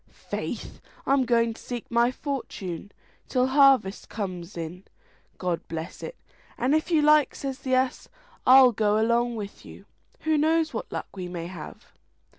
"Faith, I'm going to seek my fortune till harvest comes in, God bless it!" "And if you like," says the ass, "I'll go along with you; who knows what luck we may have!"